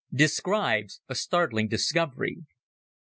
DESCRIBES A STARTLING DISCOVERY.